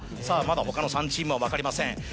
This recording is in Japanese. さぁまだ他の３チームは分かりません。